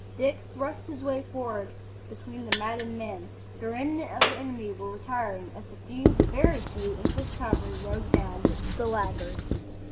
Dick thrust his way forward between the maddened men. The remnant of the enemy were retiring, as the few—the very few—English cavalry rode down the laggards.